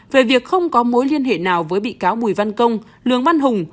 về việc không có mối liên hệ nào với bị cáo mùi văn công lương văn hùng